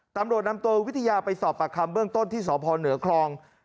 ตำรวจนำตัววิทยาไปสอบปากคำเบื้องต้นที่สพเหนือคลอง